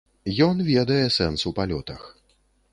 Ён ведае сэнс у палётах.